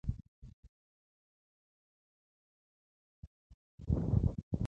پوهه لرونکې میندې د ماشومانو د روغتیا په اړه خبرې اوري.